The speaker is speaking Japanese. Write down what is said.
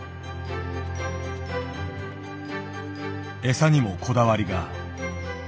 餌にもこだわりが。